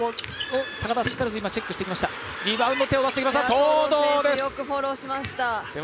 東藤選手、よくフォローしました。